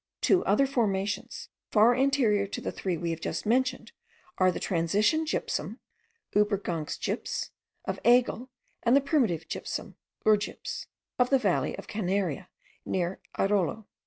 Two other formations, far anterior to the three we have just mentioned, are the transition gypsum (ubergangsgyps) of Aigle, and the primitive gypsum (urgyps) of the valley of Canaria, near Airolo.